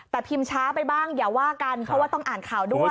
แต่พิมพ์ช้าไปบ้างอย่าว่ากันเพราะว่าต้องอ่านข่าวด้วย